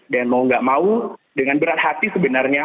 dan mau tidak mau dengan berat hati sebenarnya